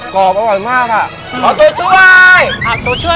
กรอบอร่อยมากค่ะขอตัวช่วยขอตัวช่วยหน่อย